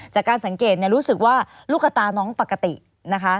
จากการสังเกตรู้สึกว่าลูกตาน้องปกตินะคะ